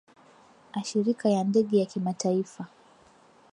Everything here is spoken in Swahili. ashirika ya ndege ya kimataifa